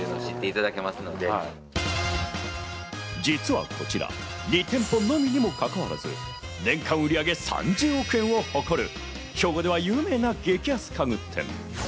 実はこちら、２店舗のみにもかかわらず年間売り上げ３０億円を誇る兵庫では有名な激安家具店。